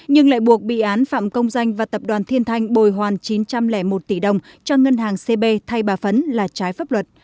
nhưng lại buộc bị án phạm công danh và tập đoàn thiên thanh bồi hoàn chín trăm linh một tỷ đồng cho ngân hàng cb thay bà phấn là trái pháp luật